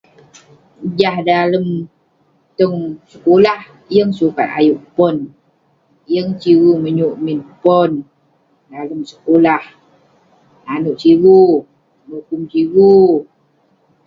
Jah dalem tong sekulah, yeng sukat ayuk pon. Yeng sigu menyuk min pon dalem sekulah, nanouk sigu, nukum sigu.